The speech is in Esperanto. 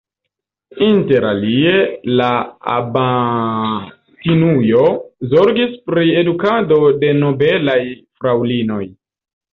Interalie la abatinujo zorgis pri edukado de nobelaj fraŭlinoj.